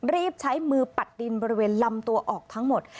รีบใช้มือปัดดินบริเวณลำตัวออกทั้งหมด